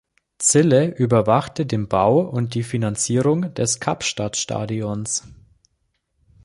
Zille überwachte den Bau und die Finanzierung des Kapstadt-Stadions.